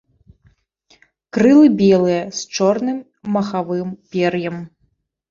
Крылы белыя з чорным махавым пер'ем.